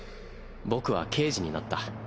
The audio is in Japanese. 僕は刑事になった。